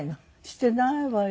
してないわよ。